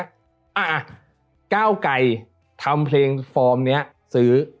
อ่ะก้าวไก่ทำเพลงฟอร์มนี้ซื้อ